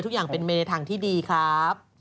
ทุกอย่างเป็นไปในทางที่ดีครับ